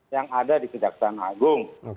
yang ada di kejaksaan agung